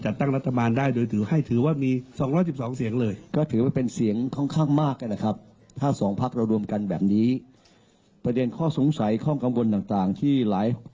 ส่วนตอบ๑๑๙๐ในที่๕พัคผมคิดว่ามีร่วมแหน่งของลี่ที่ไทย